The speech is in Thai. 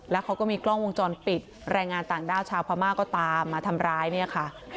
แล้วเขาก็มีกล้องวงจรปิดแรงงานต่างด้าวชาวพม่าก็ตามมาทำร้ายเนี่ยค่ะ